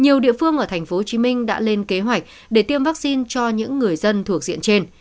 nhiều địa phương ở tp hcm đã lên kế hoạch để tiêm vaccine cho những người dân thuộc diện trên